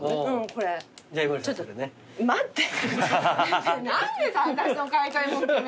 こっちちょっと待って。